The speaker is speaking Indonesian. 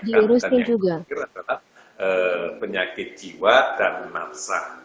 dan yang terakhir adalah penyakit jiwa dan napsa